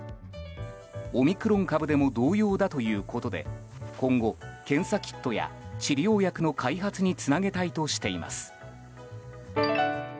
オミクロン株でも同様だということで今後、検査キットや治療薬の開発につなげたいとしています。